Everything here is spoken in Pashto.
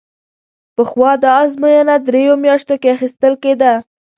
پخوا دا ازموینه درېیو میاشتو کې اخیستل کېده.